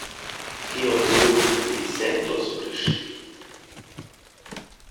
Kion nun li sentos pri ŝi?